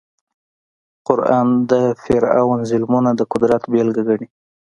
قران د فرعون ظلمونه د قدرت بېلګه ګڼي.